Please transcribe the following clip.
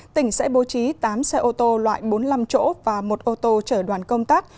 tỉnh sẽ bố trí tám xe ô tô loại bốn mươi năm chỗ và một ô tô chở đoàn công tác